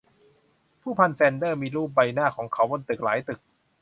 ผู้พันแซนเดอมีรูปใบหน้าของเค้าบนตึกหลายตึก